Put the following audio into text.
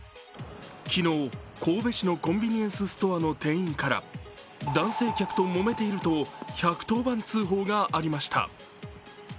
昨日、神戸市のコンビニエンスストアの店員から男性客ともめていると１１０番通報がありました。